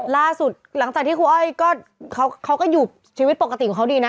หลังจากที่ครูอ้อยก็เขาก็อยู่ชีวิตปกติของเขาดีนะ